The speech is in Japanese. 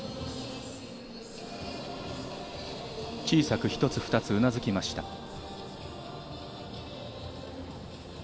小さく一つ二つうなずきました。